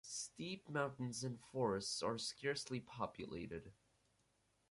Steep mountains and forests are scarcely populated.